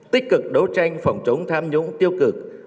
tích cực đấu tranh phòng chống tham nhũng tiêu cực